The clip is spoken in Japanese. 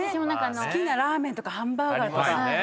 好きなラーメンとかハンバーガー。